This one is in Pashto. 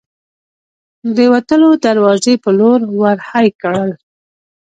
د وتلو دروازې په لور ور هۍ کړل.